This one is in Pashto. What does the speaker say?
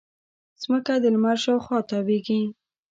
مځکه د لمر شاوخوا تاوېږي.